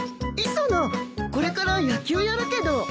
磯野これから野球やるけど。